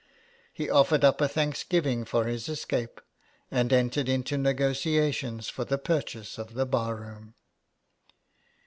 He offered up a thanksgiving for his escape, and entered into negotiations for the purchase of the bar room.